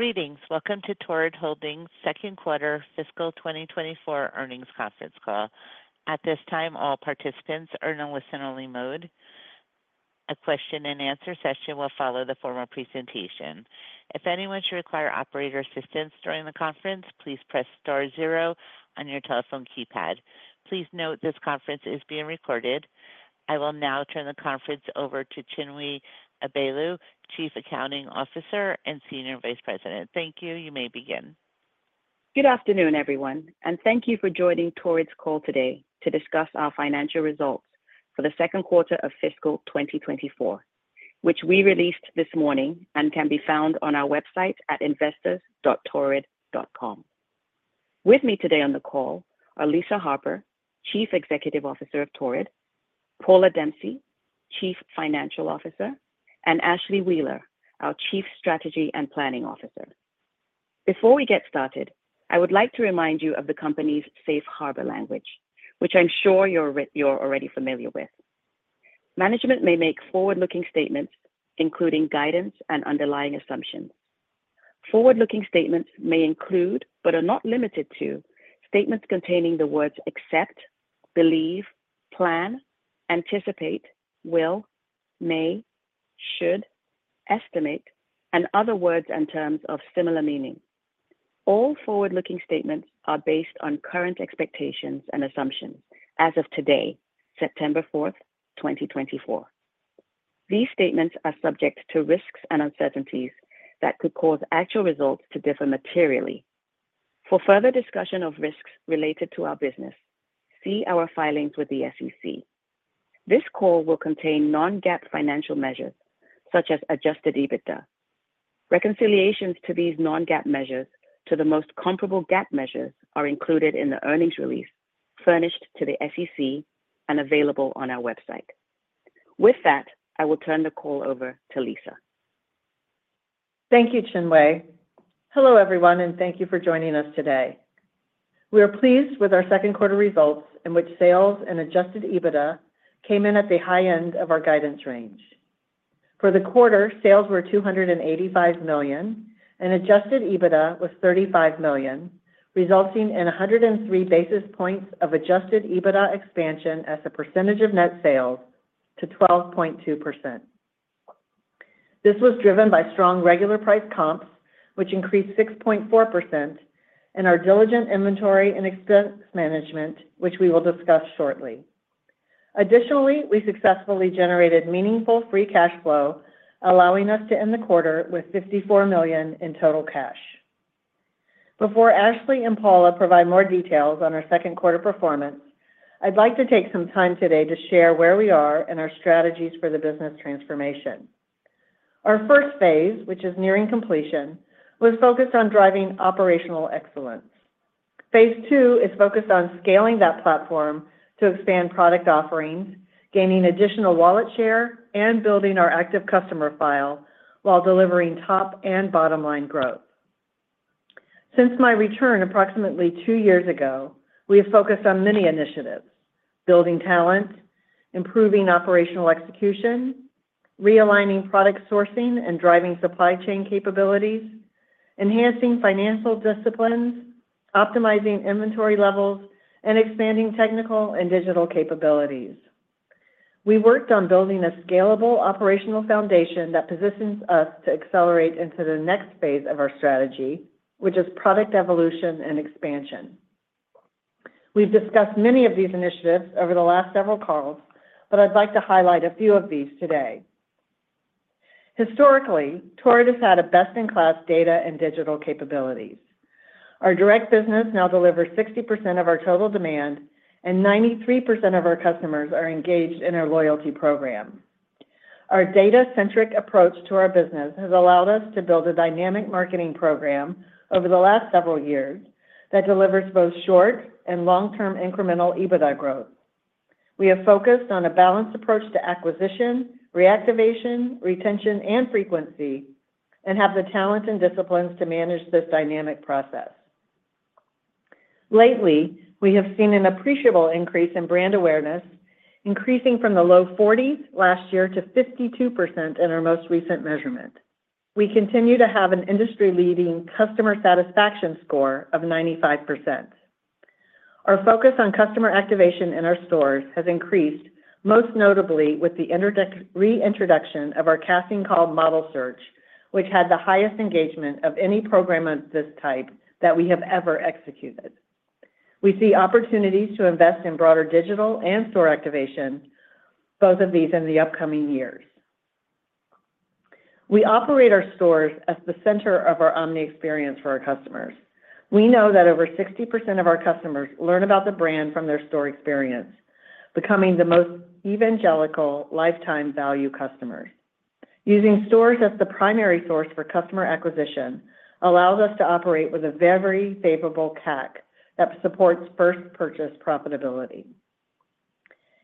Greetings. Welcome to Torrid Holdings' second quarter fiscal twenty twenty-four earnings conference call. At this time, all participants are in a listen-only mode. A question-and-answer session will follow the formal presentation. If anyone should require operator assistance during the conference, please press star zero on your telephone keypad. Please note this conference is being recorded. I will now turn the conference over to Chinwe Egbuelu, Chief Accounting Officer and Senior Vice President. Thank you. You may begin. Good afternoon, everyone, and thank you for joining Torrid's call today to discuss our financial results for the second quarter of fiscal twenty twenty-four, which we released this morning and can be found on our website at investors.torrid.com. With me today on the call are Lisa Harper, Chief Executive Officer of Torrid, Paula Dempsey, Chief Financial Officer, and Ashlee Wheeler, our Chief Strategy and Planning Officer. Before we get started, I would like to remind you of the company's Safe Harbor language, which I'm sure you're already familiar with. Management may make forward-looking statements, including guidance and underlying assumptions. Forward-looking statements may include, but are not limited to, statements containing the words "except," "believe," "plan," "anticipate," "will," "may," "should," "estimate," and other words and terms of similar meaning. All forward-looking statements are based on current expectations and assumptions as of today, September 4, 2024. These statements are subject to risks and uncertainties that could cause actual results to differ materially. For further discussion of risks related to our business, see our filings with the SEC. This call will contain non-GAAP financial measures, such as Adjusted EBITDA. Reconciliations to these non-GAAP measures to the most comparable GAAP measures are included in the earnings release furnished to the SEC and available on our website. With that, I will turn the call over to Lisa. Thank you, Chinwe. Hello, everyone, and thank you for joining us today. We are pleased with our second quarter results, in which sales and adjusted EBITDA came in at the high end of our guidance range. For the quarter, sales were $285 million, and adjusted EBITDA was $35 million, resulting in 103 basis points of adjusted EBITDA expansion as a percentage of net sales to 12.2%. This was driven by strong regular price comps, which increased 6.4%, and our diligent inventory and expense management, which we will discuss shortly. Additionally, we successfully generated meaningful free cash flow, allowing us to end the quarter with $54 million in total cash. Before Ashley and Paula provide more details on our second quarter performance, I'd like to take some time today to share where we are and our strategies for the business transformation. Our first phase, which is nearing completion, was focused on driving operational excellence. Phase two is focused on scaling that platform to expand product offerings, gaining additional wallet share, and building our active customer file while delivering top and bottom line growth. Since my return approximately two years ago, we have focused on many initiatives: building talent, improving operational execution, realigning product sourcing and driving supply chain capabilities, enhancing financial disciplines, optimizing inventory levels, and expanding technical and digital capabilities. We worked on building a scalable operational foundation that positions us to accelerate into the next phase of our strategy, which is product evolution and expansion. We've discussed many of these initiatives over the last several calls, but I'd like to highlight a few of these today. Historically, Torrid has had a best-in-class data and digital capabilities. Our direct business now delivers 60% of our total demand, and 93% of our customers are engaged in our loyalty program. Our data-centric approach to our business has allowed us to build a dynamic marketing program over the last several years that delivers both short and long-term incremental EBITDA growth. We have focused on a balanced approach to acquisition, reactivation, retention, and frequency, and have the talent and disciplines to manage this dynamic process. Lately, we have seen an appreciable increase in brand awareness, increasing from the low 40s last year to 52% in our most recent measurement. We continue to have an industry-leading customer satisfaction score of 95%. Our focus on customer activation in our stores has increased, most notably with the reintroduction of our Casting Call Model Search, which had the highest engagement of any program of this type that we have ever executed. We see opportunities to invest in broader digital and store activation, both of these in the upcoming years. We operate our stores as the center of our omni experience for our customers. We know that over 60% of our customers learn about the brand from their store experience, becoming the most evangelical lifetime value customers. Using stores as the primary source for customer acquisition allows us to operate with a very favorable CAC that supports first purchase profitability.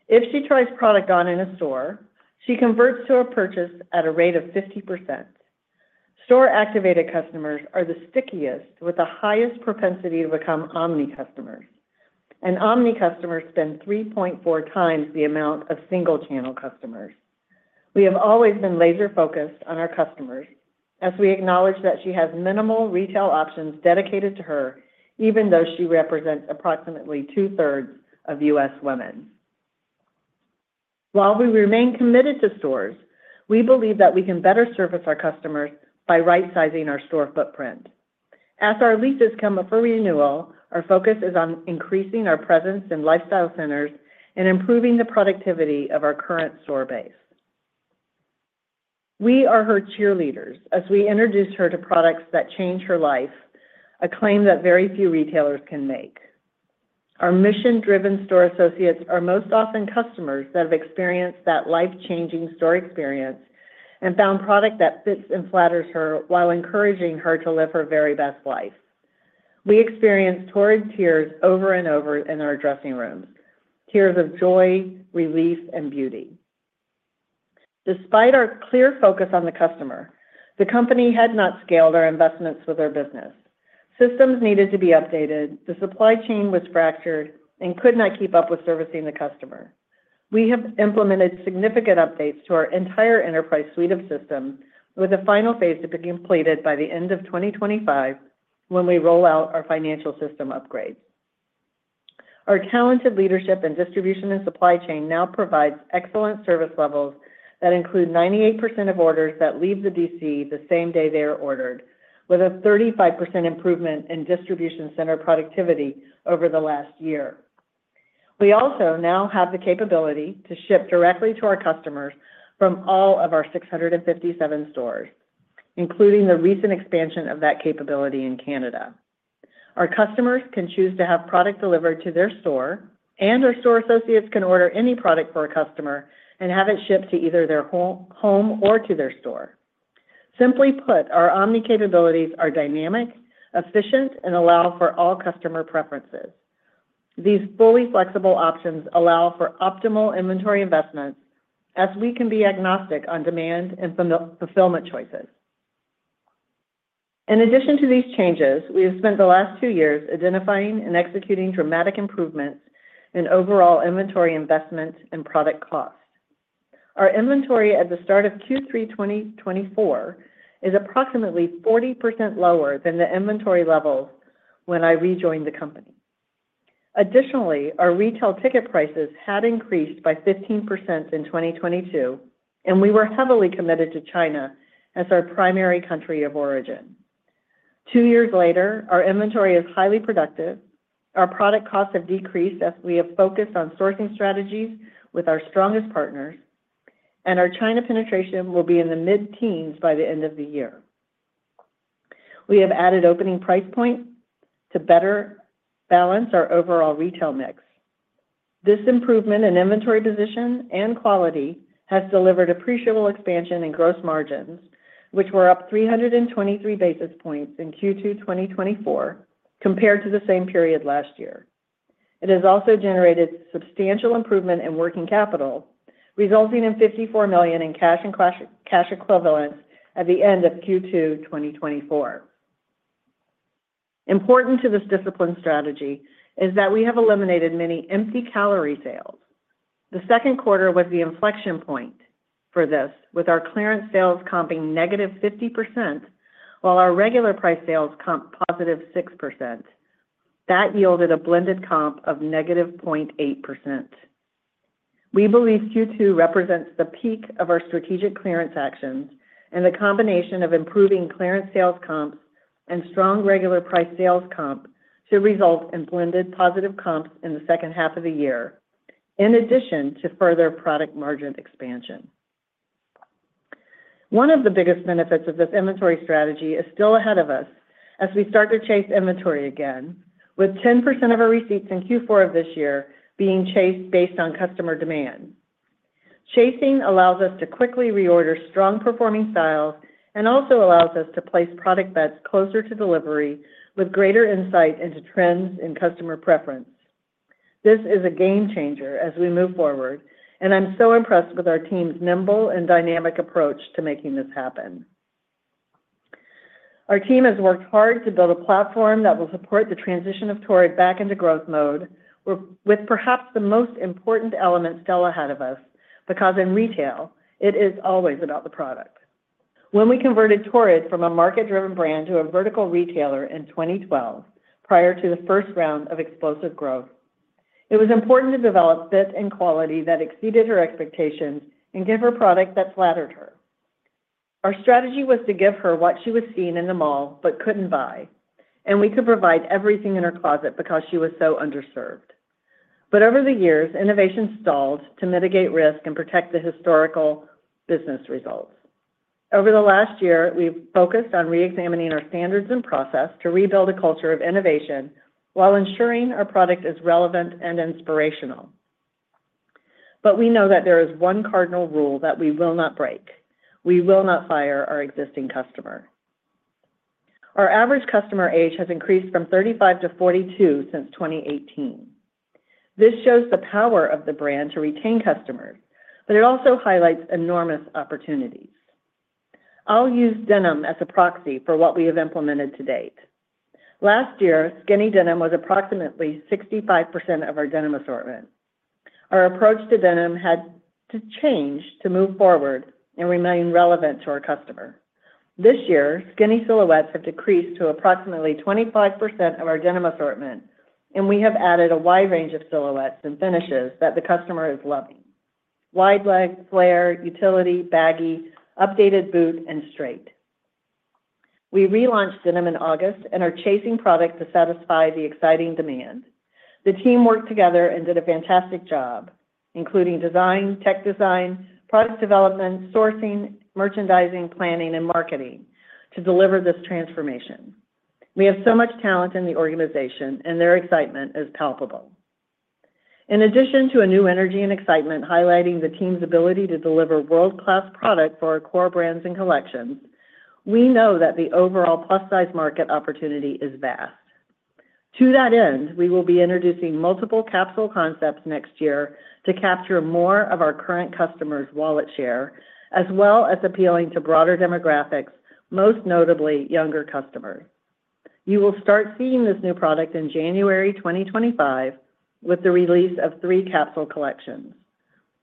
If she tries product on in a store, she converts to a purchase at a rate of 50%. Store-activated customers are the stickiest, with the highest propensity to become omni customers. And omni customers spend 3.4 times the amount of single-channel customers. We have always been laser-focused on our customers, as we acknowledge that she has minimal retail options dedicated to her, even though she represents approximately two-thirds of U.S. women. While we remain committed to stores, we believe that we can better service our customers by right-sizing our store footprint. As our leases come up for renewal, our focus is on increasing our presence in lifestyle centers and improving the productivity of our current store base. We are her cheerleaders as we introduce her to products that change her life, a claim that very few retailers can make. Our mission-driven store associates are most often customers that have experienced that life-changing store experience and found product that fits and flatters her while encouraging her to live her very best life. We experience Torrid tears over and over in our dressing rooms, tears of joy, relief, and beauty. Despite our clear focus on the customer, the company had not scaled our investments with our business. Systems needed to be updated, the supply chain was fractured and could not keep up with servicing the customer. We have implemented significant updates to our entire enterprise suite of systems, with the final phase to be completed by the end of 2025, when we roll out our financial system upgrade. Our talented leadership in distribution and supply chain now provides excellent service levels that include 98% of orders that leave the DC the same day they are ordered, with a 35% improvement in distribution center productivity over the last year. We also now have the capability to ship directly to our customers from all of our six hundred and fifty-seven stores, including the recent expansion of that capability in Canada. Our customers can choose to have product delivered to their store, and our store associates can order any product for a customer and have it shipped to either their home or to their store. Simply put, our omni capabilities are dynamic, efficient, and allow for all customer preferences. These fully flexible options allow for optimal inventory investments as we can be agnostic on demand and fulfillment choices. In addition to these changes, we have spent the last two years identifying and executing dramatic improvements in overall inventory investment and product cost. Our inventory at the start of Q3 2024 is approximately 40% lower than the inventory levels when I rejoined the company. Additionally, our retail ticket prices had increased by 15% in twenty twenty-two, and we were heavily committed to China as our primary country of origin. Two years later, our inventory is highly productive, our product costs have decreased as we have focused on sourcing strategies with our strongest partners, and our China penetration will be in the mid-teens by the end of the year. We have added opening price points to better balance our overall retail mix. This improvement in inventory position and quality has delivered appreciable expansion in gross margins, which were up three hundred and twenty-three basis points in Q2 twenty twenty-four compared to the same period last year. It has also generated substantial improvement in working capital, resulting in $54 million in cash and cash equivalents at the end of Q2 twenty twenty-four. Important to this discipline strategy is that we have eliminated many empty calorie sales. The second quarter was the inflection point for this, with our clearance sales comping negative 50%, while our regular price sales comped positive 6%. That yielded a blended comp of negative 0.8%. We believe Q2 represents the peak of our strategic clearance actions, and the combination of improving clearance sales comps and strong regular price sales comp should result in blended positive comps in the second half of the year, in addition to further product margin expansion. One of the biggest benefits of this inventory strategy is still ahead of us as we start to chase inventory again, with 10% of our receipts in Q4 of this year being chased based on customer demand. chase allows us to quickly reorder strong performing styles and also allows us to place product bets closer to delivery, with greater insight into trends and customer preference. This is a game changer as we move forward, and I'm so impressed with our team's nimble and dynamic approach to making this happen. Our team has worked hard to build a platform that will support the transition of Torrid back into growth mode, with perhaps the most important element still ahead of us, because in retail, it is always about the product. When we converted Torrid from a market-driven brand to a vertical retailer in 2012, prior to the first round of explosive growth, it was important to develop fit and quality that exceeded her expectations and give her product that flattered her. Our strategy was to give her what she was seeing in the mall but couldn't buy, and we could provide everything in her closet because she was so underserved. But over the years, innovation stalled to mitigate risk and protect the historical business results. Over the last year, we've focused on reexamining our standards and process to rebuild a culture of innovation while ensuring our product is relevant and inspirational. But we know that there is one cardinal rule that we will not break: We will not fire our existing customer. Our average customer age has increased from 35 to 42 since 2018. This shows the power of the brand to retain customers, but it also highlights enormous opportunities. I'll use denim as a proxy for what we have implemented to date. Last year, skinny denim was approximately 65% of our denim assortment. Our approach to denim had to change to move forward and remain relevant to our customer. This year, skinny silhouettes have decreased to approximately 25% of our denim assortment, and we have added a wide range of silhouettes and finishes that the customer is loving: wide leg, flare, utility, baggy, updated boot, and straight. We relaunched denim in August and are chasing product to satisfy the exciting demand. The team worked together and did a fantastic job, including design, tech design, product development, sourcing, merchandising, planning, and marketing to deliver this transformation. We have so much talent in the organization, and their excitement is palpable. In addition to a new energy and excitement highlighting the team's ability to deliver world-class product for our core brands and collections, we know that the overall plus-size market opportunity is vast. To that end, we will be introducing multiple capsule concepts next year to capture more of our current customers' wallet share, as well as appealing to broader demographics, most notably younger customers. You will start seeing this new product in January 2025, with the release of three capsule collections.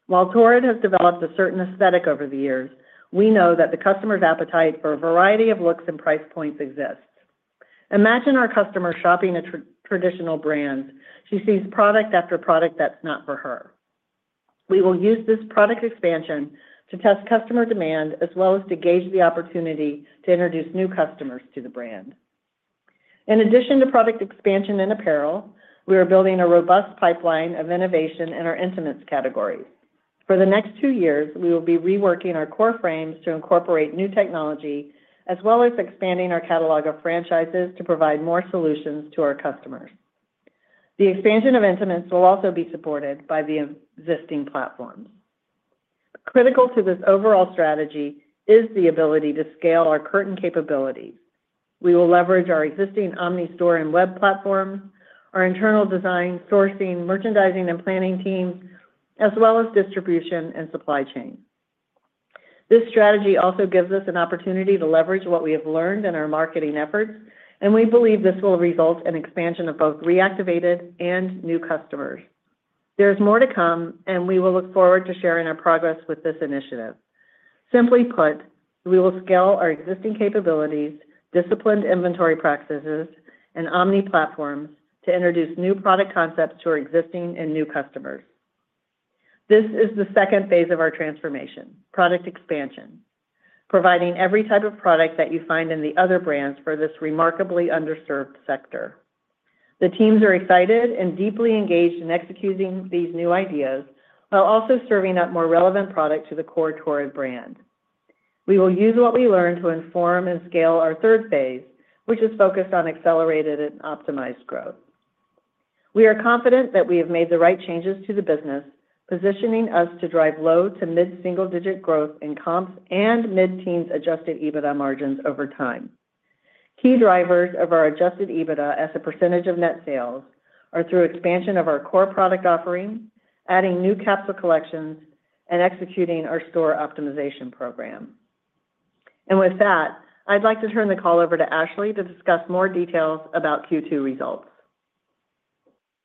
While Torrid has developed a certain aesthetic over the years, we know that the customer's appetite for a variety of looks and price points exists. Imagine our customer shopping a traditional brand. She sees product after product that's not for her. We will use this product expansion to test customer demand, as well as to gauge the opportunity to introduce new customers to the brand. In addition to product expansion and apparel, we are building a robust pipeline of innovation in our intimates category. For the next two years, we will be reworking our core frames to incorporate new technology, as well as expanding our catalog of franchises to provide more solutions to our customers. The expansion of intimates will also be supported by the existing platforms. Critical to this overall strategy is the ability to scale our current capabilities. We will leverage our existing omni-store and web platforms, our internal design, sourcing, merchandising, and planning teams, as well as distribution and supply chain. This strategy also gives us an opportunity to leverage what we have learned in our marketing efforts, and we believe this will result in expansion of both reactivated and new customers. There is more to come, and we will look forward to sharing our progress with this initiative. Simply put, we will scale our existing capabilities, disciplined inventory practices, and omni platforms to introduce new product concepts to our existing and new customers. This is the second phase of our transformation, product expansion, providing every type of product that you find in the other brands for this remarkably underserved sector. The teams are excited and deeply engaged in executing these new ideas while also serving up more relevant product to the core Torrid brand. We will use what we learn to inform and scale our third phase, which is focused on accelerated and optimized growth. We are confident that we have made the right changes to the business, positioning us to drive low to mid-single-digit growth in comps and mid-teens Adjusted EBITDA margins over time. Key drivers of our Adjusted EBITDA as a percentage of net sales are through expansion of our core product offerings, adding new capsule collections, and executing our store optimization program, and with that, I'd like to turn the call over to Ashley to discuss more details about Q2 results.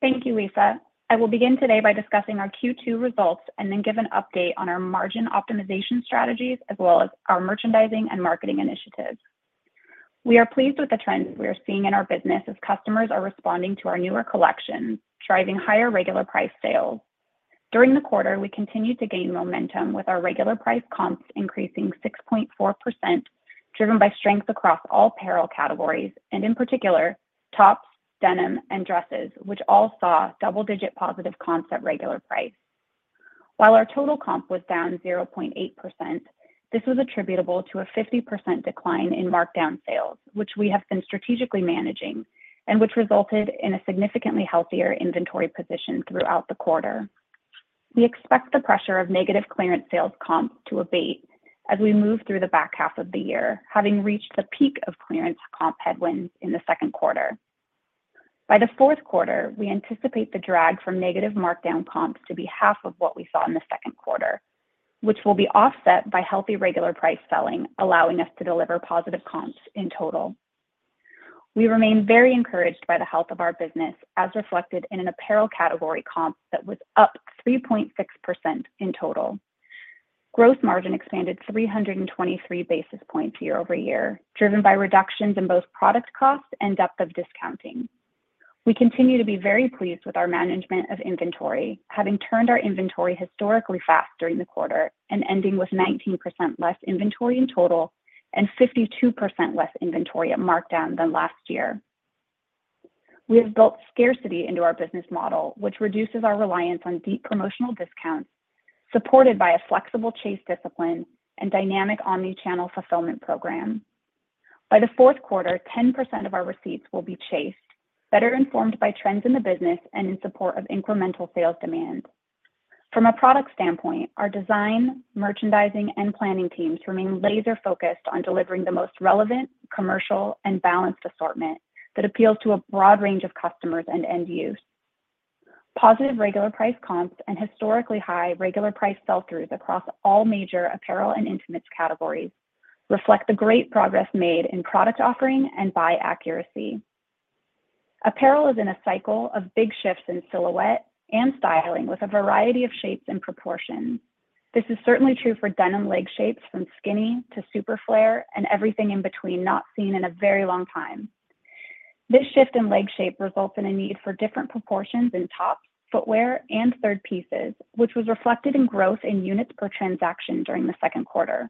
Thank you, Lisa. I will begin today by discussing our Q2 results and then give an update on our margin optimization strategies, as well as our merchandising and marketing initiatives. We are pleased with the trends we are seeing in our business, as customers are responding to our newer collections, driving higher regular price sales. During the quarter, we continued to gain momentum, with our regular price comps increasing 6.4%, driven by strength across all apparel categories, and in particular, tops, denim, and dresses, which all saw double-digit positive comps at regular price. While our total comp was down 0.8%, this was attributable to a 50% decline in markdown sales, which we have been strategically managing and which resulted in a significantly healthier inventory position throughout the quarter. We expect the pressure of negative clearance sales comps to abate as we move through the back half of the year, having reached the peak of clearance comp headwinds in the second quarter. By the fourth quarter, we anticipate the drag from negative markdown comps to be half of what we saw in the second quarter, which will be offset by healthy, regular price selling, allowing us to deliver positive comps in total. We remain very encouraged by the health of our business, as reflected in an apparel category comp that was up 3.6% in total. Gross margin expanded 323 basis points year over year, driven by reductions in both product cost and depth of discounting. We continue to be very pleased with our management of inventory, having turned our inventory historically fast during the quarter and ending with 19% less inventory in total and 52% less inventory at markdown than last year. We have built scarcity into our business model, which reduces our reliance on deep promotional discounts, supported by a flexible chase discipline and dynamic omni-channel fulfillment program. By the fourth quarter, 10% of our receipts will be chased, better informed by trends in the business and in support of incremental sales demand. From a product standpoint, our design, merchandising, and planning teams remain laser-focused on delivering the most relevant, commercial, and balanced assortment that appeals to a broad range of customers and end use. Positive regular price comps and historically high regular price sell-throughs across all major apparel and intimates categories reflect the great progress made in product offering and buy accuracy. Apparel is in a cycle of big shifts in silhouette and styling, with a variety of shapes and proportions. This is certainly true for denim leg shapes, from skinny to super flare, and everything in between, not seen in a very long time. This shift in leg shape results in a need for different proportions in tops, footwear, and third pieces, which was reflected in growth in units per transaction during the second quarter.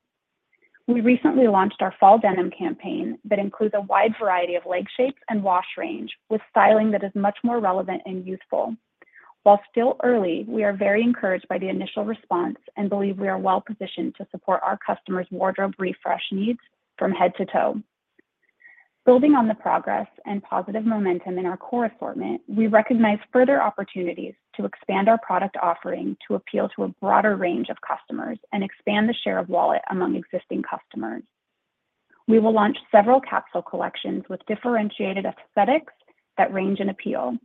We recently launched our fall denim campaign that includes a wide variety of leg shapes and wash range, with styling that is much more relevant and youthful. While still early, we are very encouraged by the initial response and believe we are well positioned to support our customers' wardrobe refresh needs from head to toe. Building on the progress and positive momentum in our core assortment, we recognize further opportunities to expand our product offering to appeal to a broader range of customers and expand the share of wallet among existing customers. We will launch several capsule collections with differentiated aesthetics that range in appeal,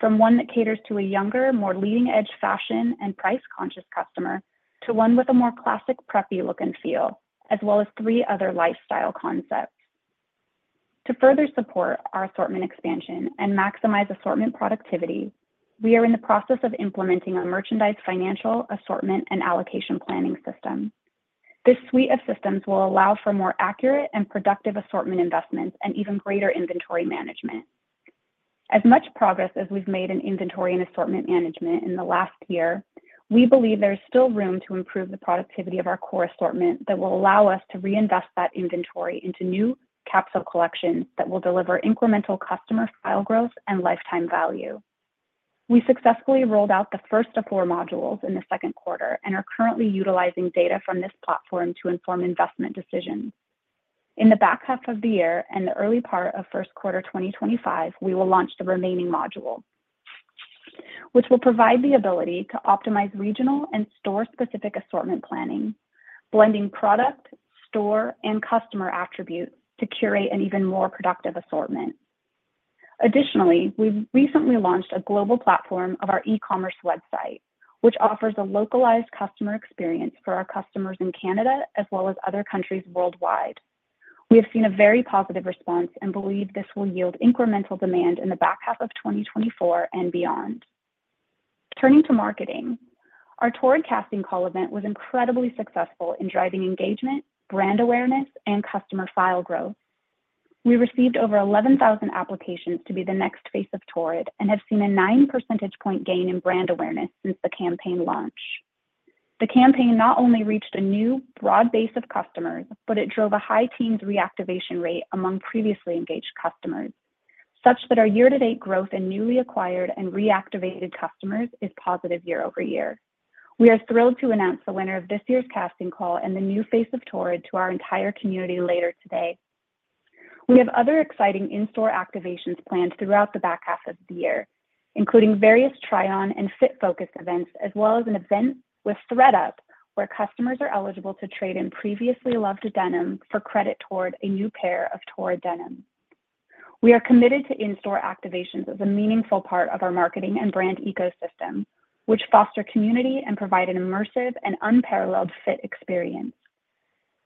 from one that caters to a younger, more leading-edge fashion and price-conscious customer, to one with a more classic, preppy look and feel, as well as three other lifestyle concepts. To further support our assortment expansion and maximize assortment productivity, we are in the process of implementing our merchandise, financial, assortment, and allocation planning system. This suite of systems will allow for more accurate and productive assortment investments and even greater inventory management. As much progress as we've made in inventory and assortment management in the last year, we believe there is still room to improve the productivity of our core assortment that will allow us to reinvest that inventory into new capsule collections that will deliver incremental customer file growth and lifetime value. We successfully rolled out the first of four modules in the second quarter and are currently utilizing data from this platform to inform investment decisions. In the back half of the year and the early part of first quarter 2025, we will launch the remaining module, which will provide the ability to optimize regional and store-specific assortment planning, blending product, store, and customer attributes to curate an even more productive assortment. Additionally, we've recently launched a global platform of our e-commerce website, which offers a localized customer experience for our customers in Canada, as well as other countries worldwide. We have seen a very positive response and believe this will yield incremental demand in the back half of 2024 and beyond. Turning to marketing, our Torrid Casting Call event was incredibly successful in driving engagement, brand awareness, and customer file growth. We received over 11,000 applications to be the next face of Torrid and have seen a nine percentage point gain in brand awareness since the campaign launch. The campaign not only reached a new broad base of customers, but it drove a high teens reactivation rate among previously engaged customers, such that our year-to-date growth in newly acquired and reactivated customers is positive year over year. We are thrilled to announce the winner of this year's Casting Call and the new face of Torrid to our entire community later today. We have other exciting in-store activations planned throughout the back half of the year, including various try-on and fit-focused events, as well as an event with thredUP, where customers are eligible to trade in previously loved denim for credit toward a new pair of Torrid denim. We are committed to in-store activations as a meaningful part of our marketing and brand ecosystem, which foster community and provide an immersive and unparalleled fit experience.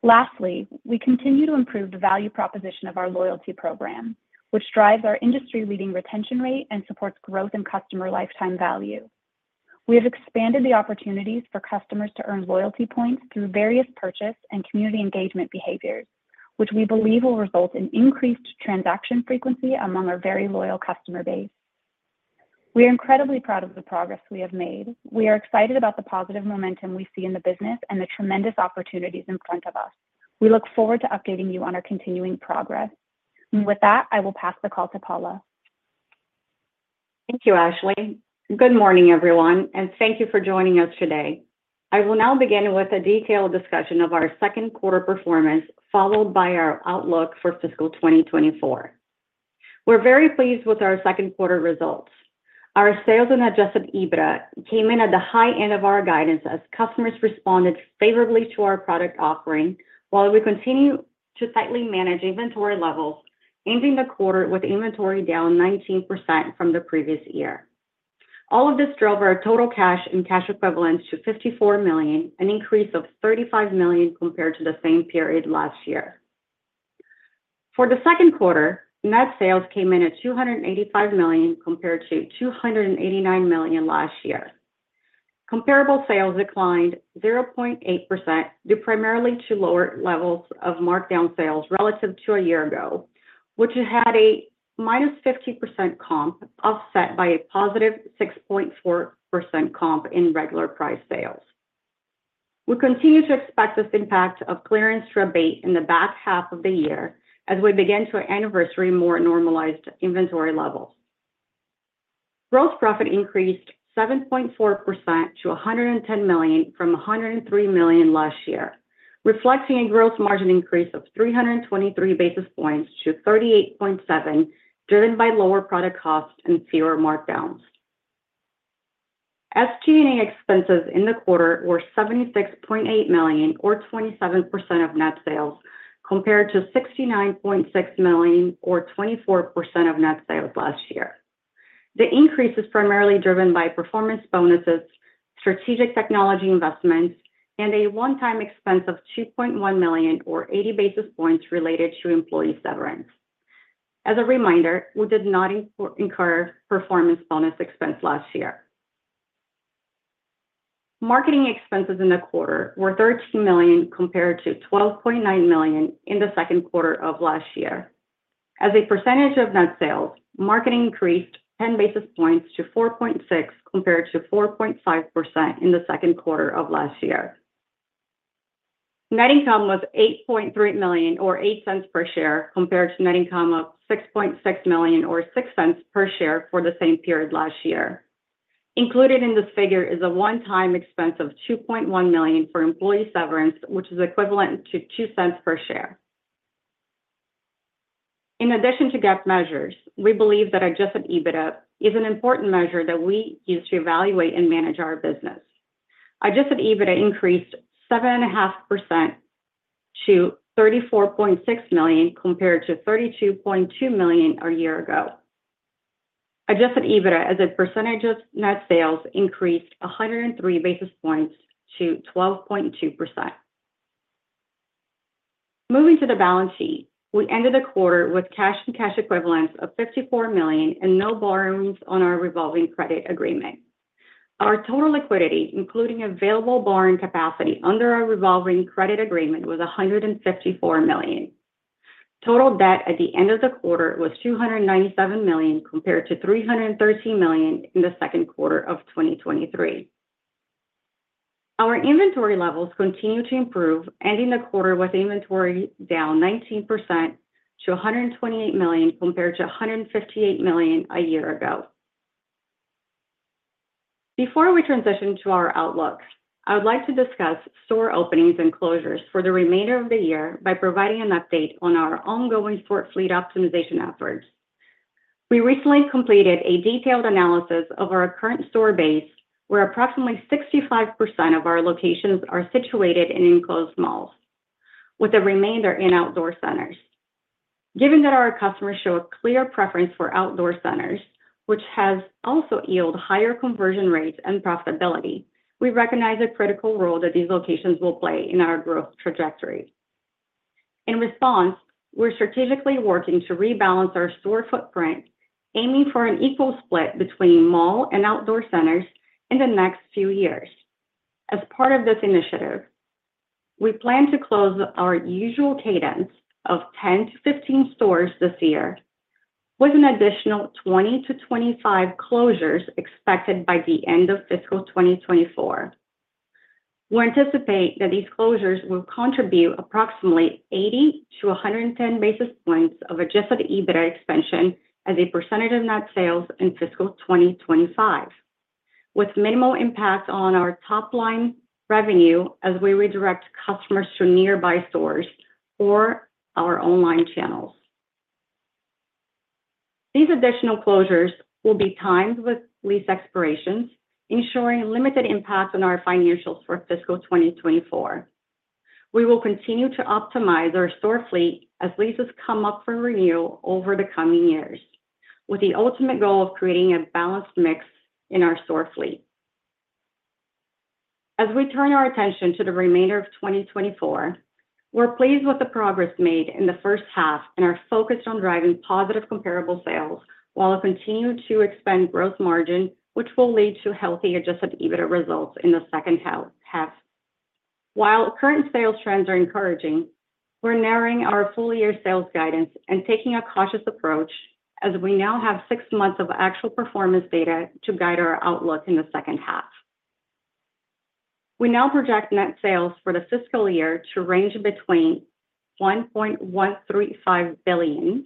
Lastly, we continue to improve the value proposition of our loyalty program, which drives our industry-leading retention rate and supports growth in customer lifetime value. We have expanded the opportunities for customers to earn loyalty points through various purchase and community engagement behaviors, which we believe will result in increased transaction frequency among our very loyal customer base. We are incredibly proud of the progress we have made. We are excited about the positive momentum we see in the business and the tremendous opportunities in front of us. We look forward to updating you on our continuing progress. And with that, I will pass the call to Paula. Thank you, Ashley. Good morning, everyone, and thank you for joining us today. I will now begin with a detailed discussion of our second quarter performance, followed by our outlook for fiscal 2024. We're very pleased with our second quarter results. Our sales and Adjusted EBITDA came in at the high end of our guidance as customers responded favorably to our product offering, while we continue to tightly manage inventory levels, ending the quarter with inventory down 19% from the previous year. All of this drove our total cash and cash equivalents to $54 million, an increase of $35 million compared to the same period last year. For the second quarter, net sales came in at $285 million, compared to $289 million last year. Comparable sales declined 0.8%, due primarily to lower levels of markdown sales relative to a year ago, which had a -50% comp, offset by a +6.4% comp in regular price sales. We continue to expect this impact of clearance to abate in the back half of the year as we begin to anniversary more normalized inventory levels. Gross profit increased 7.4% to $110 million from $103 million last year, reflecting a gross margin increase of 323 basis points to 38.7%, driven by lower product costs and fewer markdowns. SG&A expenses in the quarter were $76.8 million, or 27% of net sales, compared to $69.6 million, or 24% of net sales last year. The increase is primarily driven by performance bonuses, strategic technology investments, and a one-time expense of $2.1 million, or 80 basis points, related to employee severance. As a reminder, we did not incur performance bonus expense last year. Marketing expenses in the quarter were $13 million, compared to $12.9 million in the second quarter of last year. As a percentage of net sales, marketing increased 10 basis points to 4.6%, compared to 4.5% in the second quarter of last year. Net income was $8.3 million, or $0.08 per share, compared to net income of $6.6 million, or $0.06 per share, for the same period last year. Included in this figure is a one-time expense of $2.1 million for employee severance, which is equivalent to $0.02 per share. In addition to GAAP measures, we believe that adjusted EBITDA is an important measure that we use to evaluate and manage our business. Adjusted EBITDA increased 7.5% to $34.6 million, compared to $32.2 million a year ago. Adjusted EBITDA as a percentage of net sales increased 103 basis points to 12.2%. Moving to the balance sheet, we ended the quarter with cash and cash equivalents of $54 million and no borrowings on our revolving credit agreement. Our total liquidity, including available borrowing capacity under our revolving credit agreement, was $154 million. Total debt at the end of the quarter was $297 million, compared to $313 million in the second quarter of 2023. Our inventory levels continue to improve, ending the quarter with inventory down 19% to $128 million, compared to $158 million a year ago. Before we transition to our outlook, I would like to discuss store openings and closures for the remainder of the year by providing an update on our ongoing store fleet optimization efforts. We recently completed a detailed analysis of our current store base, where approximately 65% of our locations are situated in enclosed malls, with the remainder in outdoor centers. Given that our customers show a clear preference for outdoor centers, which has also yielded higher conversion rates and profitability, we recognize the critical role that these locations will play in our growth trajectory. In response, we're strategically working to rebalance our store footprint, aiming for an equal split between mall and outdoor centers in the next few years. As part of this initiative, we plan to close our usual cadence of 10-15 stores this year, with an additional 20-25 closures expected by the end of fiscal 2024. We anticipate that these closures will contribute approximately 80-110 basis points of adjusted EBITDA expansion as a percentage of net sales in fiscal 2025, with minimal impact on our top-line revenue as we redirect customers to nearby stores or our online channels. These additional closures will be timed with lease expirations, ensuring limited impact on our financials for fiscal 2024. We will continue to optimize our store fleet as leases come up for renewal over the coming years, with the ultimate goal of creating a balanced mix in our store fleet. As we turn our attention to the remainder of 2024, we're pleased with the progress made in the first half and are focused on driving positive comparable sales while continuing to expand gross margin, which will lead to healthier Adjusted EBITDA results in the second half. While current sales trends are encouraging, we're narrowing our full-year sales guidance and taking a cautious approach as we now have six months of actual performance data to guide our outlook in the second half. We now project net sales for the fiscal year to range between $1.135 billion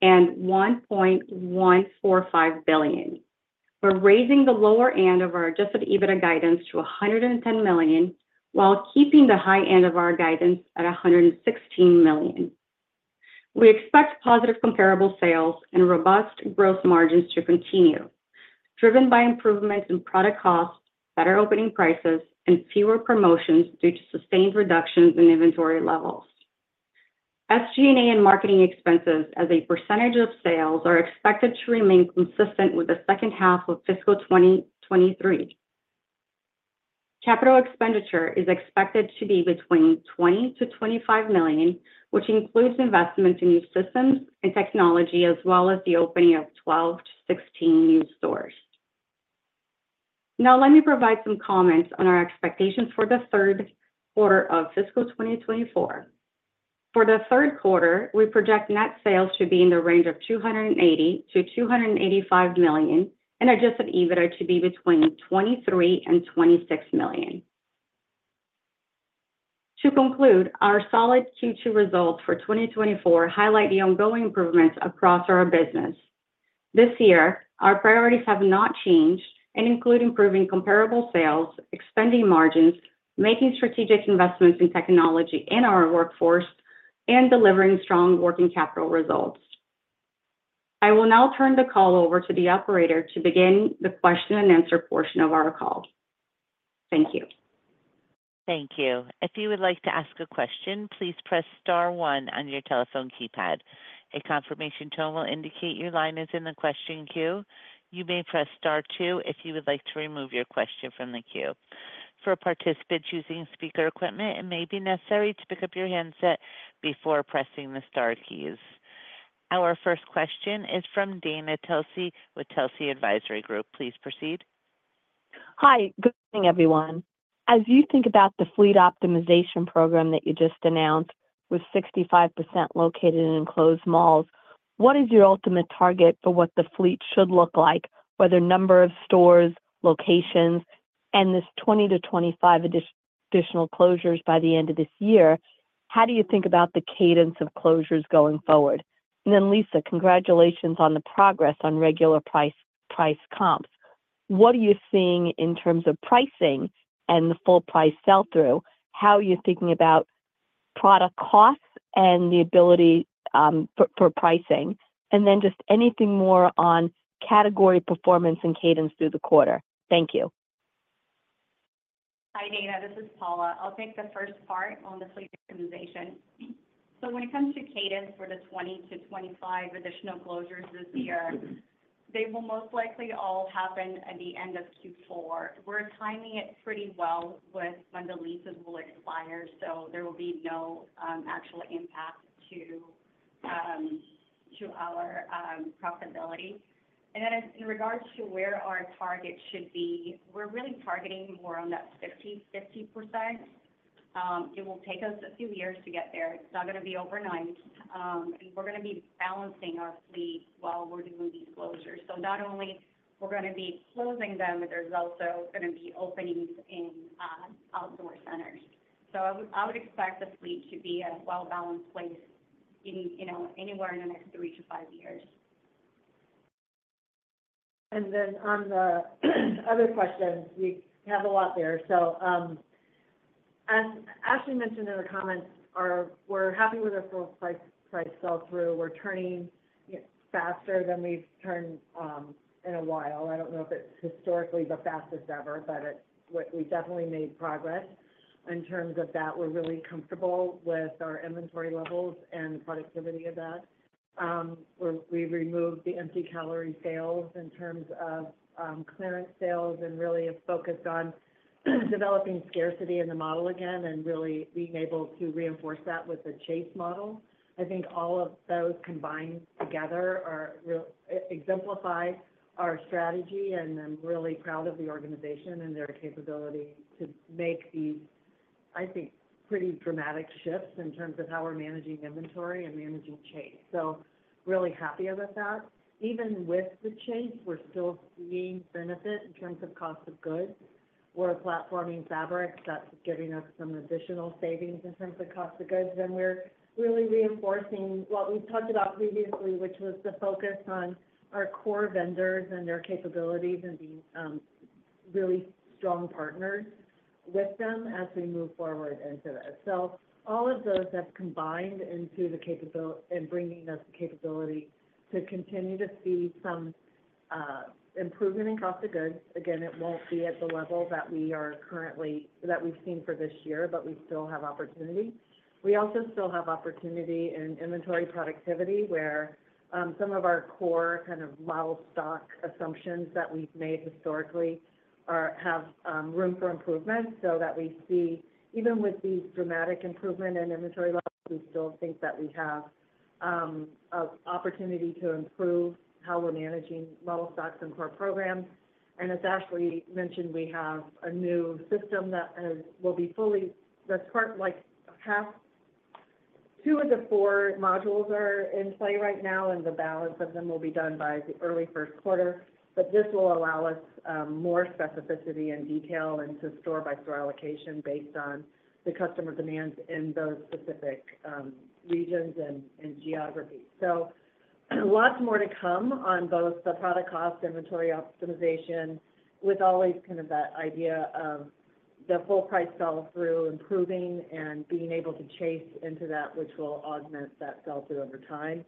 and $1.145 billion. We're raising the lower end of our Adjusted EBITDA guidance to $110 million, while keeping the high end of our guidance at $116 million. We expect positive comparable sales and robust gross margins to continue, driven by improvements in product costs, better opening prices, and fewer promotions due to sustained reductions in inventory levels. SG&A and marketing expenses as a percentage of sales are expected to remain consistent with the second half of fiscal 2023. Capital expenditure is expected to be between $20-$25 million, which includes investments in new systems and technology, as well as the opening of 12-16 new stores. Now, let me provide some comments on our expectations for the third quarter of fiscal 2024. For the third quarter, we project net sales to be in the range of $280-$285 million, and Adjusted EBITDA to be between $23-$26 million. To conclude, our solid Q2 results for 2024 highlight the ongoing improvements across our business. This year, our priorities have not changed and include improving comparable sales, expanding margins, making strategic investments in technology in our workforce, and delivering strong working capital results.... I will now turn the call over to the operator to begin the question and answer portion of our call. Thank you. Thank you. If you would like to ask a question, please press star one on your telephone keypad. A confirmation tone will indicate your line is in the question queue. You may press star two if you would like to remove your question from the queue. For participants using speaker equipment, it may be necessary to pick up your handset before pressing the star keys. Our first question is from Dana Telsey with Telsey Advisory Group. Please proceed. Hi, good morning, everyone. As you think about the fleet optimization program that you just announced, with 65% located in enclosed malls, what is your ultimate target for what the fleet should look like? Whether number of stores, locations, and this 20-25 additional closures by the end of this year, how do you think about the cadence of closures going forward? And then, Lisa, congratulations on the progress on regular price comps. What are you seeing in terms of pricing and the full price sell-through? How are you thinking about product costs and the ability for pricing? And then just anything more on category performance and cadence through the quarter. Thank you. Hi, Dana, this is Paula. I'll take the first part on the fleet optimization. So when it comes to cadence for the 20-25 additional closures this year, they will most likely all happen at the end of Q4. We're timing it pretty well with when the leases will expire, so there will be no actual impact to our profitability. And then in regards to where our target should be, we're really targeting more on that 50-50%. It will take us a few years to get there. It's not gonna be overnight. We're gonna be balancing our fleet while we're doing these closures. So not only we're gonna be closing them, but there's also gonna be openings in outdoor centers. So I would expect the fleet to be at a well-balanced place in, you know, anywhere in the next three to five years. And then on the other questions, we have a lot there. So, as Ashley mentioned in the comments, we're happy with our full price, price sell-through. We're turning faster than we've turned in a while. I don't know if it's historically the fastest ever, but we definitely made progress in terms of that. We're really comfortable with our inventory levels and the productivity of that. We removed the empty calorie sales in terms of clearance sales and really have focused on developing scarcity in the model again, and really being able to reinforce that with the chase model. I think all of those combined together really exemplify our strategy, and I'm really proud of the organization and their capability to make these, I think, pretty dramatic shifts in terms of how we're managing inventory and managing chase. Really happier with that. Even with the Chase, we're still seeing benefit in terms of cost of goods. We're platforming fabric, that's giving us some additional savings in terms of cost of goods. We're really reinforcing what we've talked about previously, which was the focus on our core vendors and their capabilities and being really strong partners with them as we move forward into this. All of those have combined into the capability and bringing us the capability to continue to see some improvement in cost of goods. Again, it won't be at the level that we've seen for this year, but we still have opportunity. We also still have opportunity in inventory productivity, where some of our core, kind of, model stock assumptions that we've made historically have room for improvement so that we see... Even with the dramatic improvement in inventory levels, we still think that we have a opportunity to improve how we're managing model stocks and core programs, and as Ashley mentioned, we have a new system that will be fully. That's sort of like half, two of the four modules are in play right now, and the balance of them will be done by the early first quarter, but this will allow us more specificity and detail into store by store allocation based on the customer demands in those specific regions and geographies, so lots more to come on both the product cost, inventory optimization, with always kind of that idea of the full price sell-through improving and being able to chase into that, which will augment that sell-through over time.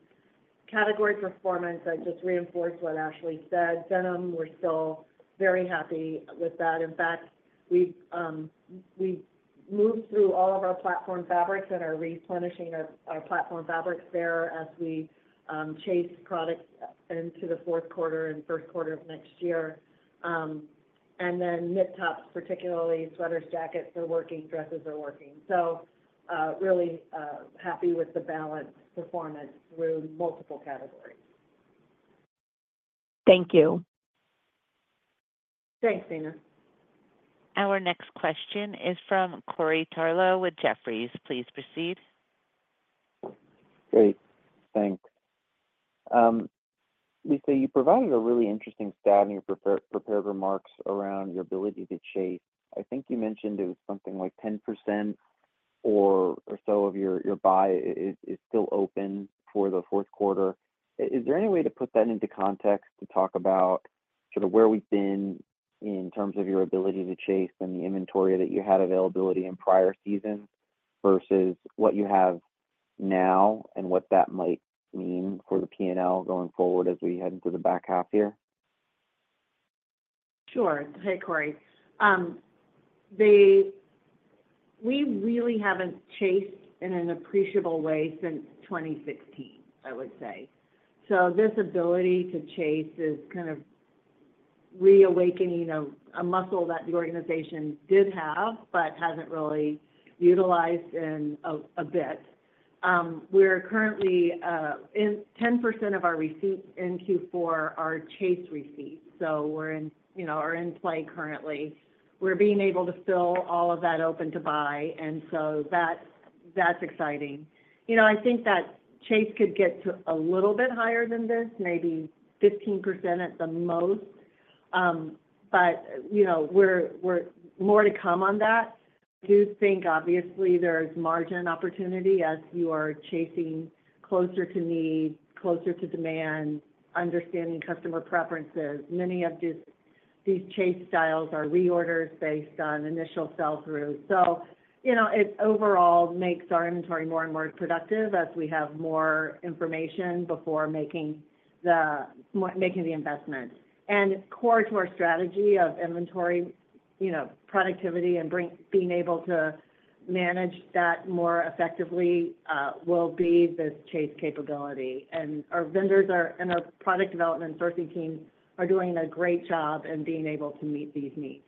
Category performance, I just reinforce what Ashley said. Denim, we're still very happy with that. In fact, we've moved through all of our platform fabrics and are replenishing our platform fabrics there as we chase products into the fourth quarter and first quarter of next year. Then knit tops, particularly sweaters, jackets are working, dresses are working. So, really happy with the balanced performance through multiple categories. Thank you. Thanks, Dana. Our next question is from Corey Tarlowe with Jefferies. Please proceed. Great. Thanks. Lisa, you provided a really interesting stat in your prepared remarks around your ability to chase. I think you mentioned it was something like 10% or so of your buy is still open for the fourth quarter. Is there any way to put that into context to talk about sort of where we've been in terms of your ability to chase and the inventory that you had availability in prior seasons? versus what you have now, and what that might mean for the PNL going forward as we head into the back half year? Sure. Hey, Corey. We really haven't chased in an appreciable way since twenty sixteen, I would say. So this ability to chase is kind of reawakening a muscle that the organization did have, but hasn't really utilized in a bit. We're currently in 10% of our receipts in Q4 are chase receipts. So we're, you know, in play currently. We're being able to fill all of that open to buy, and so that's exciting. You know, I think that chase could get to a little bit higher than this, maybe 15% at the most. But, you know, we're more to come on that. I do think obviously there's margin opportunity as you are chasing closer to need, closer to demand, understanding customer preferences. Many of these chase styles are reorders based on initial sell-through. You know, it overall makes our inventory more and more productive as we have more information before making the investment. Core to our strategy of inventory, you know, productivity and being able to manage that more effectively will be this chase capability. Our product development sourcing team are doing a great job in being able to meet these needs.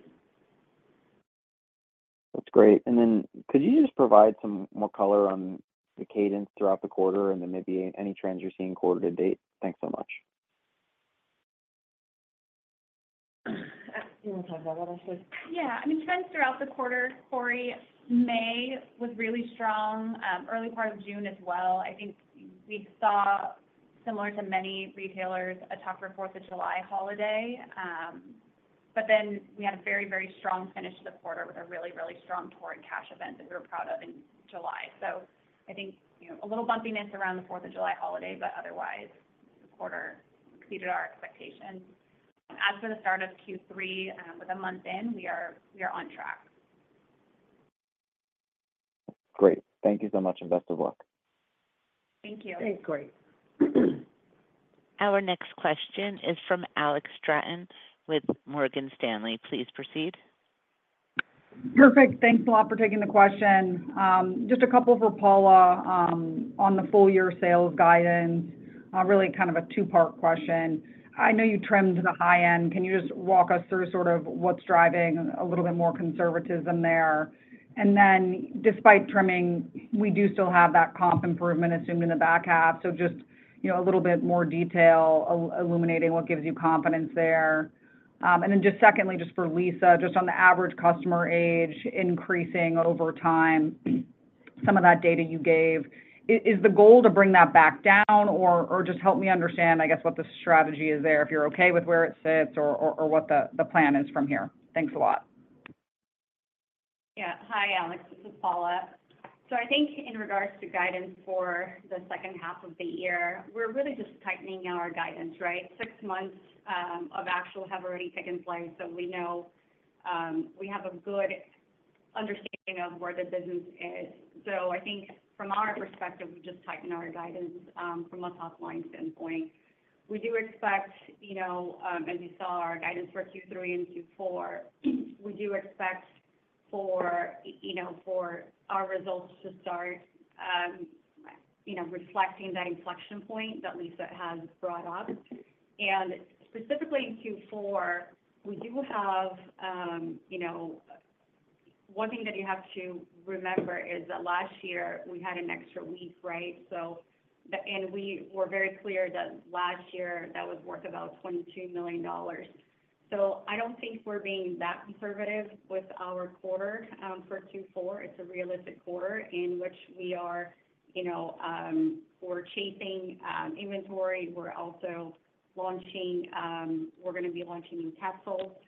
That's great, and then could you just provide some more color on the cadence throughout the quarter, and then maybe any trends you're seeing quarter to date? Thanks so much. Do you wanna talk about what I said? Yeah. I mean, trends throughout the quarter, Corey, May was really strong, early part of June as well. I think we saw, similar to many retailers, a tougher Fourth of July holiday, but then we had a very, very strong finish to the quarter with a really, really strong Torrid Cash event that we were proud of in July. So I think, you know, a little bumpiness around the Fourth of July holiday, but otherwise, the quarter exceeded our expectations. As for the start of Q3, with a month in, we are on track. Great. Thank you so much, and best of luck. Thank you. Thanks, Corey. Our next question is from Alex Stratton with Morgan Stanley. Please proceed. Perfect. Thanks a lot for taking the question. Just a couple for Paula, on the full year sales guidance, really kind of a two-part question. I know you trimmed to the high end. Can you just walk us through sort of what's driving a little bit more conservatism there? And then, despite trimming, we do still have that comp improvement assumed in the back half. So just, you know, a little bit more detail illuminating what gives you confidence there. And then just secondly, just for Lisa, just on the average customer age increasing over time, some of that data you gave. Is the goal to bring that back down or just help me understand, I guess, what the strategy is there, if you're okay with where it sits or what the plan is from here? Thanks a lot. Yeah. Hi, Alex, this is Paula. So I think in regards to guidance for the second half of the year, we're really just tightening our guidance, right? Six months of actual have already taken place, so we know. We have a good understanding of where the business is. So I think from our perspective, we're just tightening our guidance from a top-line standpoint. We do expect, you know, as you saw our guidance for Q3 and Q4, we do expect for, you know, for our results to start, you know, reflecting that inflection point that Lisa has brought up. And specifically in Q4, we do have, you know. One thing that you have to remember is that last year we had an extra week, right? So and we were very clear that last year, that was worth about $22 million. So I don't think we're being that conservative with our quarter for Q4. It's a realistic quarter in which we are, you know, we're chasing inventory. We're also launching. We're gonna be launching Casting Call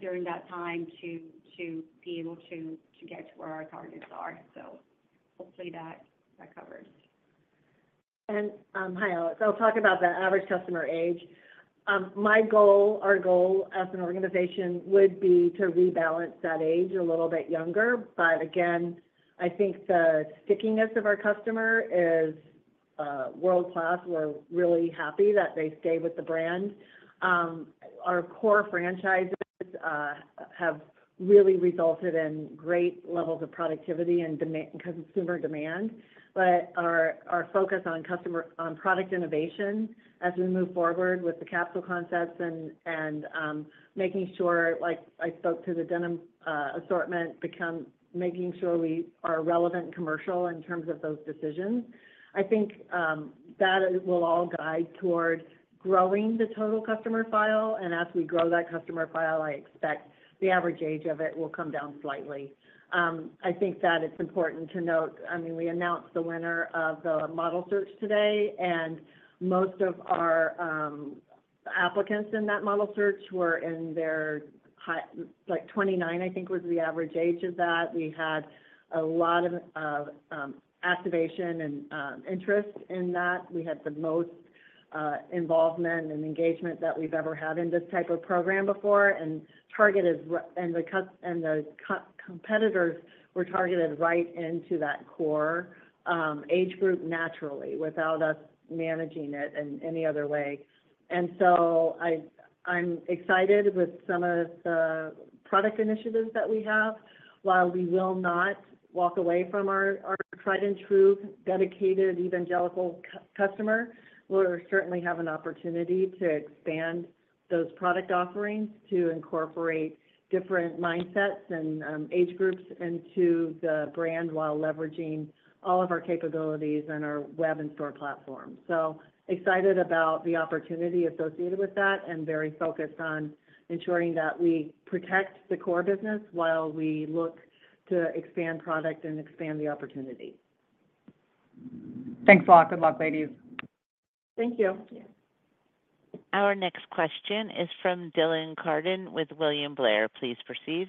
during that time to be able to get to where our targets are. So hopefully that covers. Hi, Alex. I'll talk about the average customer age. My goal, our goal as an organization would be to rebalance that age a little bit younger. But again, I think the stickiness of our customer is world-class. We're really happy that they stay with the brand. Our core franchises have really resulted in great levels of productivity and consumer demand. But our focus on product innovation as we move forward with the key apparel concepts and making sure, like I spoke to the denim assortment, making sure we are commercially relevant in terms of those decisions. I think that will all guide towards growing the total customer file, and as we grow that customer file, I expect the average age of it will come down slightly. I think that it's important to note, I mean, we announced the winner of the model search today, and most of our applicants in that model search were in their high-- like, twenty-nine, I think, was the average age of that. We had a lot of activation and interest in that. We had the most involvement and engagement that we've ever had in this type of program before, and the competitors were targeted right into that core age group naturally, without us managing it in any other way. I am excited with some of the product initiatives that we have. While we will not walk away from our tried and true, dedicated, evangelical customer, we'll certainly have an opportunity to expand those product offerings to incorporate different mindsets and age groups into the brand, while leveraging all of our capabilities and our web and store platform. So excited about the opportunity associated with that, and very focused on ensuring that we protect the core business while we look to expand product and expand the opportunity. Thanks a lot. Good luck, ladies. Thank you. Yeah. Our next question is from Dylan Carden with William Blair. Please proceed.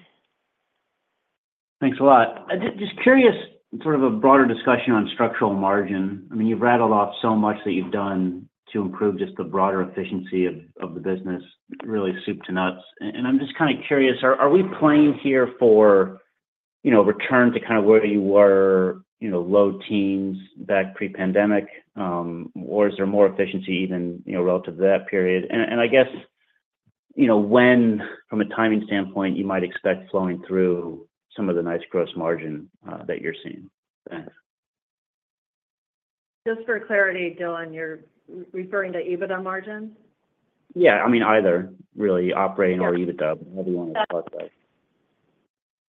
Thanks a lot. I'm just curious, sort of a broader discussion on structural margin. I mean, you've rattled off so much that you've done to improve just the broader efficiency of the business, really soup to nuts. And I'm just kind of curious, are we playing here for, you know, return to kind of where you were, you know, low teens back pre-pandemic, or is there more efficiency even, you know, relative to that period? And I guess, you know, when, from a timing standpoint, you might expect flowing through some of the nice gross margin that you're seeing. Thanks. Just for clarity, Dylan, you're referring to EBITDA margins? Yeah. I mean, either, really, operating- Yeah... or EBITDA, whatever you want to talk about.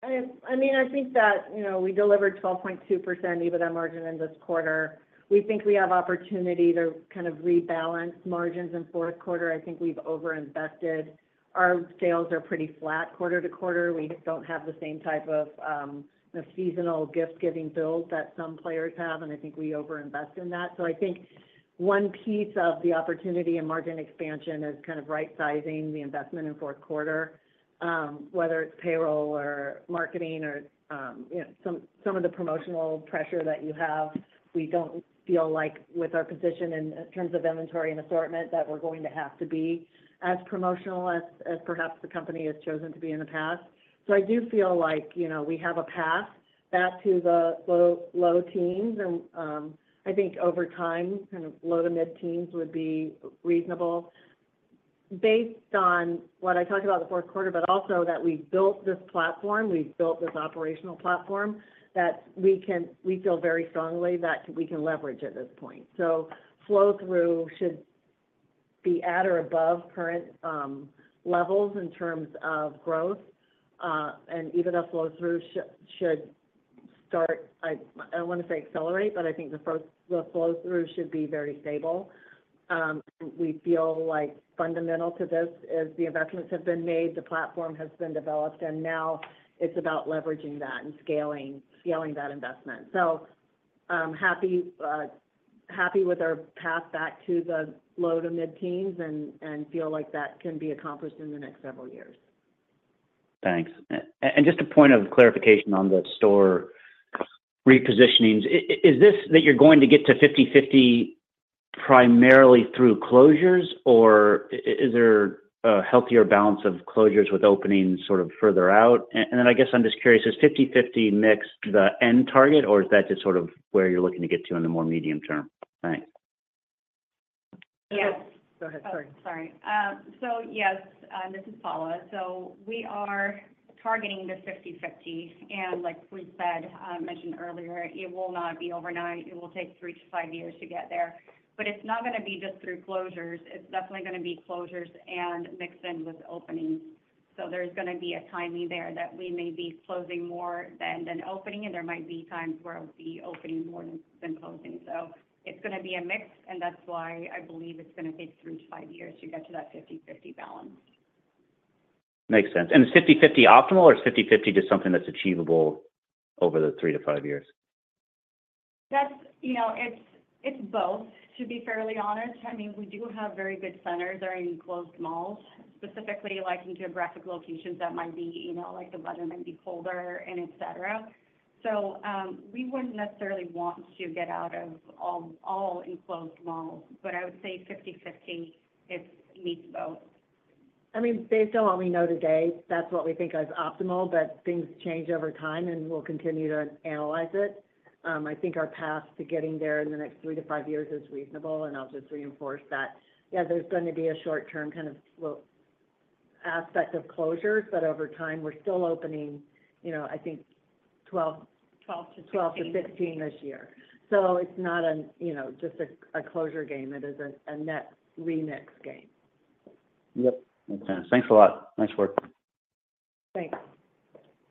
I mean, I think that, you know, we delivered 12.2% EBITDA margin in this quarter. We think we have opportunity to kind of rebalance margins in fourth quarter. I think we've over-invested. Our sales are pretty flat quarter to quarter. We don't have the same type of seasonal gift-giving build that some players have, and I think we over-invest in that. So I think one piece of the opportunity and margin expansion is kind of right-sizing the investment in fourth quarter. Whether it's payroll or marketing or, you know, some of the promotional pressure that you have, we don't feel like with our position in terms of inventory and assortment, that we're going to have to be as promotional as perhaps the company has chosen to be in the past. So I do feel like, you know, we have a path back to the low, low teens, and I think over time, kind of low to mid-teens would be reasonable. Based on what I talked about the fourth quarter, but also that we've built this platform, we've built this operational platform, that we can. We feel very strongly that we can leverage at this point. So flow through should be at or above current levels in terms of growth, and even a flow through should start. I don't want to say accelerate, but I think the first, the flow through should be very stable. We feel like fundamental to this is the investments have been made, the platform has been developed, and now it's about leveraging that and scaling, scaling that investment. So, happy with our path back to the low to mid-teens and feel like that can be accomplished in the next several years. Thanks. And just a point of clarification on the store repositioning's. Is this, that you're going to get to fifty-fifty primarily through closures, or is there a healthier balance of closures with openings sort of further out? And then I guess I'm just curious, is fifty-fifty mix the end target, or is that just sort of where you're looking to get to in the more medium term? Thanks. Yes. Go ahead, sorry. Oh, sorry. So yes, this is Paula. So we are targeting the fifty/fifty, and like we said, mentioned earlier, it will not be overnight. It will take three to five years to get there. But it's not gonna be just through closures. It's definitely gonna be closures and mixed in with openings. So there's gonna be a timing there that we may be closing more than opening, and there might be times where we'll be opening more than closing. So it's gonna be a mix, and that's why I believe it's gonna take three to five years to get to that fifty/fifty balance. Makes sense. And is 50/50 optimal, or is 50/50 just something that's achievable over the three to five years? That's, you know, it's both, to be fairly honest. I mean, we do have very good centers that are in enclosed malls, specifically like geographic locations that might be, you know, like the weather might be colder and et cetera. So, we wouldn't necessarily want to get out of all enclosed malls, but I would say fifty/fifty, it meets both. I mean, based on what we know today, that's what we think is optimal, but things change over time, and we'll continue to analyze it. I think our path to getting there in the next three-to-five years is reasonable, and I'll just reinforce that. Yeah, there's going to be a short term, kind of slow aspect of closures, but over time, we're still opening, you know, I think twelve- 12 to 15. Twelve to fifteen this year. So it's not an, you know, just a closure game. It is a net remix game. Yep, makes sense. Thanks a lot. Nice work. Thanks.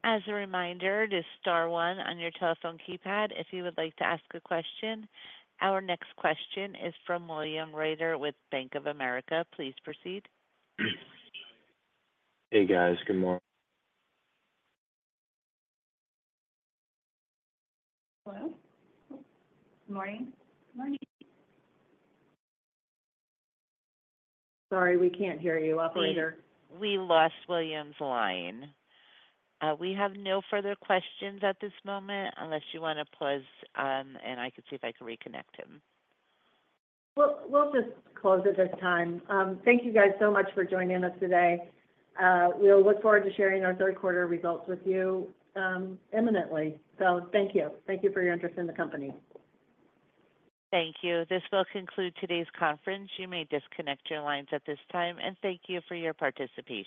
As a reminder, just star one on your telephone keypad if you would like to ask a question. Our next question is from William Reuter with Bank of America. Please proceed. Hey, guys, good morn- Hello? Good morning. Good morning. Sorry, we can't hear you, operator. We lost William's line. We have no further questions at this moment, unless you wanna pause, and I can see if I can reconnect him. We'll just close at this time. Thank you guys so much for joining us today. We'll look forward to sharing our third quarter results with you, imminently. Thank you. Thank you for your interest in the company. Thank you. This will conclude today's conference. You may disconnect your lines at this time, and thank you for your participation.